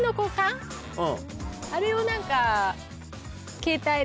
あれを何か。